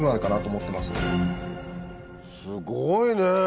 すごいね！